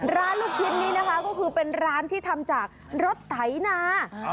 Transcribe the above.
ลูกชิ้นนี้นะคะก็คือเป็นร้านที่ทำจากรถไถนา